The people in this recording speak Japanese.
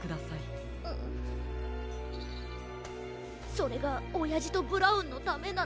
それがおやじとブラウンのためなら。